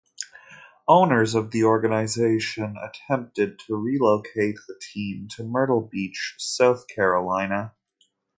Owners of the organization attempted to relocate the team to Myrtle Beach, South Carolina.